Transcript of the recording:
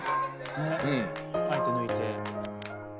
ねっあえて抜いて。